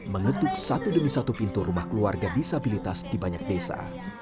mengetuk satu demi satu pintu rumah keluarga disabilitas di banyak desa